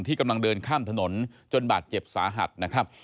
กำลังเดินข้ามถนนจนบาดเจ็บสาหัสนะครับ